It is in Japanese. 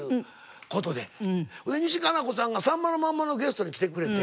西加奈子さんが『さんまのまんま』のゲストで来てくれて。